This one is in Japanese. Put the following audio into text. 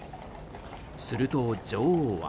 すると女王は。